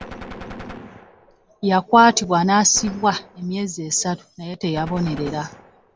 Yakwatibwa yasibwa emyezi essatu naye teyabonerera.